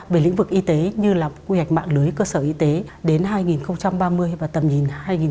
về lĩnh vực y tế như là quy hoạch mạng lưới cơ sở y tế đến hai nghìn ba mươi và tầm nhìn hai nghìn bốn mươi